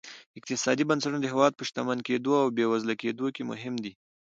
اقتصادي بنسټونه د هېواد په شتمن کېدو او بېوزله کېدو کې مهم دي.